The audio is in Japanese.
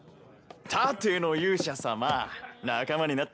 盾の勇者様仲間になってあげますよ。